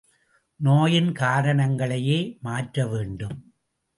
நோயின் காரணங்களையே மாற்ற வேண்டும்.